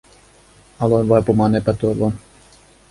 Aloin vaipumaan epätoivoon.